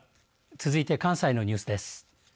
続いて関西のニュースです。